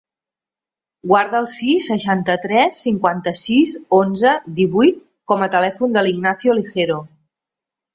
Guarda el sis, seixanta-tres, cinquanta-sis, onze, divuit com a telèfon de l'Ignacio Ligero.